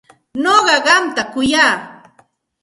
Nuqa qamta kuyaq.